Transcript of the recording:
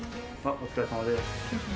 お疲れさまです。